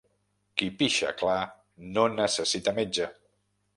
Qui pixa clar no necessita metge.